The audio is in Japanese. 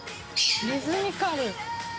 リズミカル。